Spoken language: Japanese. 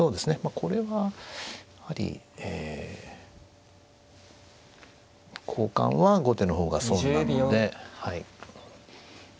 これはやはりえ交換は後手の方が損なので。